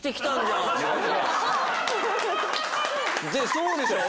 そうでしょう？